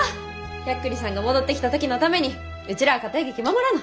百久利さんが戻ってきた時のためにうちらは家庭劇守らな。